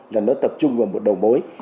là nó tập trung vào một đầu mối